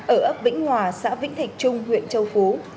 ở ấp vĩnh hòa xã vĩnh thạch trung huyện châu phú